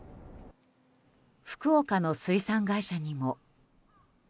福岡の水産会社にも。